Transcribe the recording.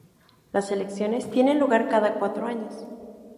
Las elecciones tienen lugar cada cuatro años.